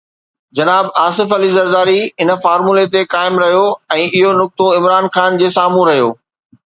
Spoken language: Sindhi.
جناب آصف علي زرداري ان فارمولي تي قائم رهيو ۽ اهو نقطو عمران خان جي سامهون رهيو.